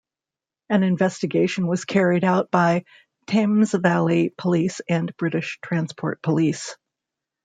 An investigation was carried out by Thames Valley Police and British Transport Police.